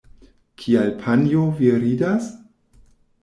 Kial panjo, vi ridas?